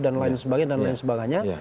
dan lain sebagainya